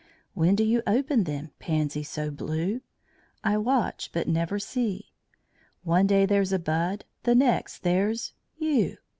When do you open them, pansy so blue? I watch, but never see. One day there's a bud; the next, there's you!